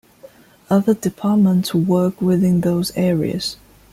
Other departments work within those areas.